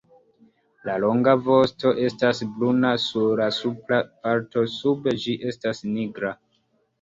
La longa vosto estas bruna sur la supra parto, sube ĝi estas nigra.